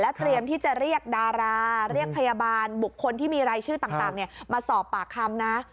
เตรียมที่จะเรียกดาราเรียกพยาบาลบุคคลที่มีรายชื่อต่างมาสอบปากคำนะ